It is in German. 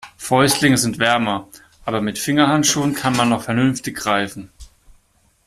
Fäustlinge sind wärmer, aber mit Fingerhandschuhen kann man noch vernünftig greifen.